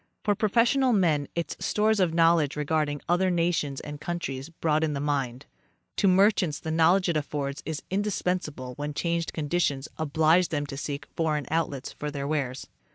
For professional men its stores of knowledge regarding other nations and countries broaden the mind. To merchants the knowledge it affords is indispensable when changed conditions oblige them to seek foreign outlets for their wares.